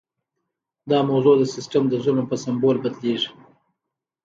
دا موضوع د سیستم د ظلم په سمبول بدلیږي.